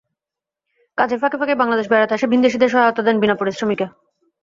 কাজের ফাঁকে ফাঁকেই বাংলাদেশে বেড়াতে আসা ভিনদেশিদের সহায়তা দেন বিনা পারিশ্রমিকে।